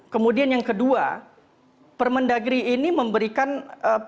kemudian yang kedua permendagri ini memberikan pengaturan yang